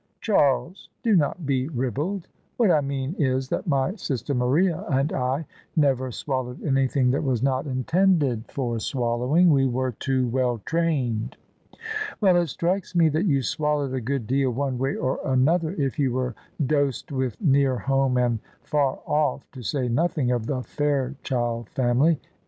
Charles, do not be ribald. What I mean is that my sister Maria and I never swallowed anything that was not intended for swallowing: we were too well trained." "Well, it strikes me that you swallowed a good deal one way or another if you were dosed with Near Home and Far Off, to say nothing of The Fairchild Family.